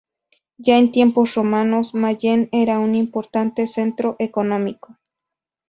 Ya en tiempos romanos, Mayen era un importante centro económico.